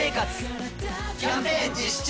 キャンペーン実施中！